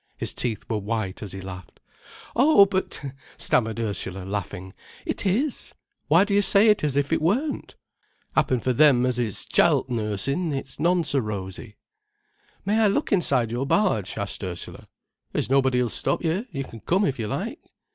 His teeth were white as he laughed. "Oh, but—" stammered Ursula, laughing, "it is. Why do you say it as if it weren't?" "'Appen for them as is childt nursin' it's none so rosy." "May I look inside your barge?" asked Ursula. "There's nobody'll stop you; you come if you like."